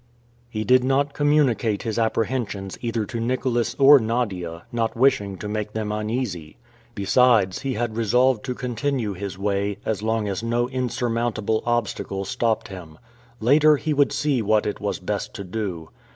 He did not communicate his apprehensions either to Nicholas or Nadia, not wishing to make them uneasy. Besides, he had resolved to continue his way, as long as no insurmountable obstacle stopped him. Later, he would see what it was best to do.